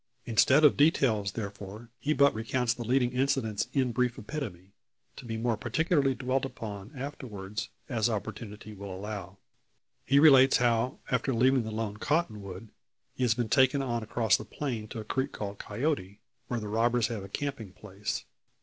Instead of details, therefore, he but recounts the leading incidents in brief epitome to be more particularly dwelt upon afterwards, as opportunity will allow. He relates, how, after leaving the lone cottonwood, he was taken on across the plain to a creek called Coyote, where the robbers have a camping place.